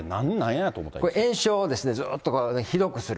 炎症をずっとひどくする。